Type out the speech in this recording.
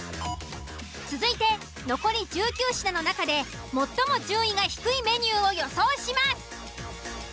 続いて残り１９品の中で最も順位が低いメニュ―を予想します。